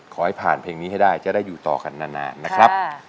ขอให้ผ่านเพลงนี้ให้ได้จะได้อยู่ต่อกันนานนะครับ